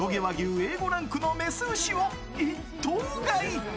Ａ５ランクのメス牛を一頭買い。